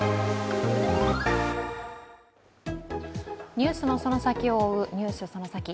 ニュースのその先を追う「ＮＥＷＳそのサキ！」。